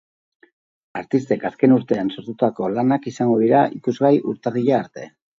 Artistek azken urtean sortutako lanak izango dira ikusgai urtarrilla arte.